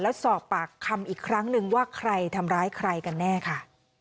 แล้วสอบปากคำอีกครั้งนึงว่าใครทำร้ายใครกันแน่ค่ะ